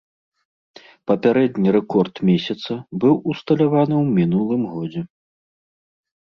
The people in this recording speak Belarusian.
Папярэдні рэкорд месяца быў усталяваны ў мінулым годзе.